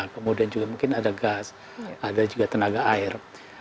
kemudian juga mungkin ada gas ada juga tenaga air